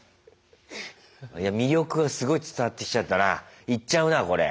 魅力がすごい伝わってきちゃったな行っちゃうなこれ。